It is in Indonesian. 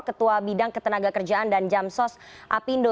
ketua bidang ketenaga kerjaan dan jamsos apindo